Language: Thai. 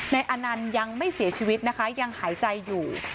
อนันต์ยังไม่เสียชีวิตนะคะยังหายใจอยู่